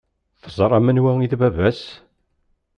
Teẓram anwa i d baba-s?